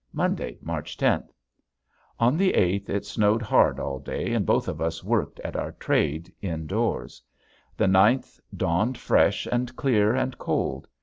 Monday, March tenth. On the eighth it snowed hard all day and both of us worked at our trade indoors. The ninth dawned fresh and clear and cold.